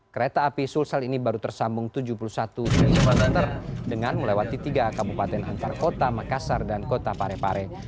kereta api sulsel ini baru tersambung tujuh puluh satu km dengan melewati tiga kabupaten antar kota makassar dan kota parepare